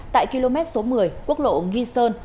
tại km số một mươi quốc lộ nghi sơn